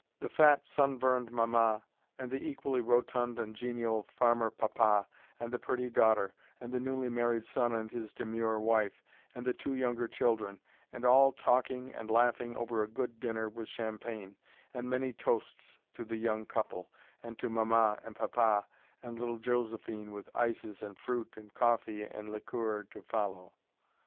The fat, sunburned mama, and the equally rotund and genial farmer papa, and the pretty daughter, and the newly married son and his demure wife, and the two younger children and all talking and laughing over a good dinner with champagne, and many toasts to the young couple and to mama and papa, and little Josephine with ices, and fruit, and coffee, and liqueur to follow.